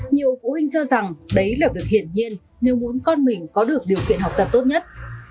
nhiều phụ huynh cho rằng đấy là việc hiển nhiên nếu muốn con mình có được điều kiện học tập tốt nhất